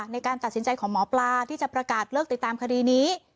ในการตัดสินใจของหมอปลาที่จะประกาศเลิกติดตามคดีนี้